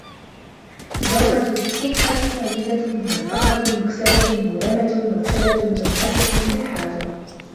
نَوْمَةُ الصُّبْحَةِ مَعْجَزَةٌ مَنْفَخَةٌ مَكْسَلَةٌ مَوْرَمَةٌ مَفْشَلَةٌ مَنْسَأَةٌ لِلْحَاجَةِ